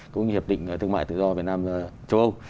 cũng như hiệp định thương mại tự do việt nam châu âu